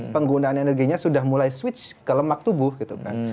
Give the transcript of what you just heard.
penggunaan energinya sudah mulai switch ke lemak tubuh gitu kan